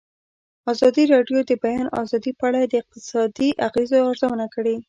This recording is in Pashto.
ازادي راډیو د د بیان آزادي په اړه د اقتصادي اغېزو ارزونه کړې.